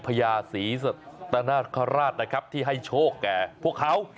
พญาศรีสัตนาคาราชนะครับที่ให้โชคแก่พวกเขา